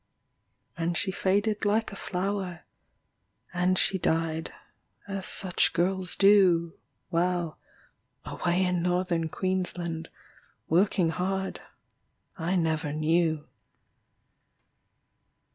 And she faded like a flower, And she died, as such girls do, While, away in Northern Queensland, Working hard, I never knew.